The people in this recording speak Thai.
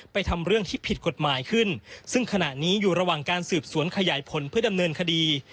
ทำเรื่องที่ผิดกฎหมายขึ้นซึ่งขณะนี้อยู่ระหว่างการสืบสวนขยายผลเพื่อดำเนินคดี